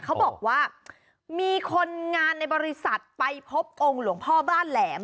เขาบอกว่ามีคนงานในบริษัทไปพบองค์หลวงพ่อบ้านแหลม